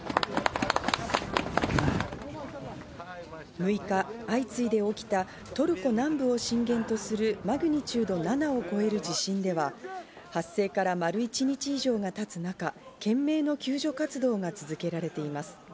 ６日、相次いで起きたトルコ南部を震源とするマグニチュード７を超える地震では、発生から丸一日以上がたつ中、懸命の救助活動が続けられています。